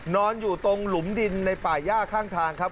นอนอยู่ตรงหลุมดินในป่าย่าข้างทางครับ